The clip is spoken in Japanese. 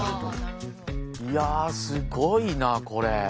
いやすごいなこれ。